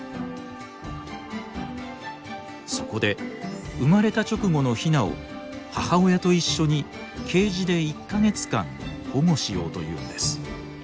そこで生まれた直後のヒナを母親と一緒にケージで１か月間保護しようというんです。